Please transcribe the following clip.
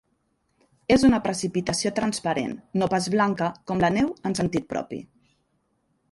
És una precipitació transparent no pas blanca com la neu en sentit propi.